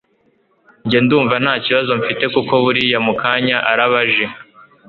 Njye ndumva ntakibazo mfite kuko buriya mu kanya arabaje